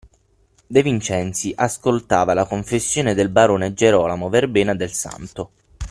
De Vincenzi ascoltava la confessione del barone Gerolamo Verbena del Santo.